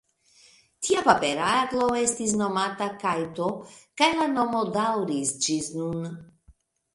Tia papera aglo estis nomata kajto, kaj la nomo daŭris ĝis nun.